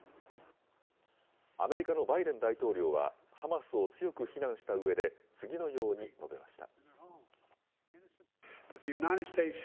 アメリカのバイデン大統領はハマスを強く非難したうえで、次のように述べました。